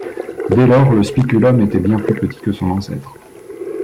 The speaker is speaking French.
Dès lors, le spiculum était bien plus petit que son ancêtre.